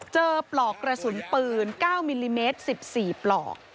ปลอกกระสุนปืน๙มิลลิเมตร๑๔ปลอก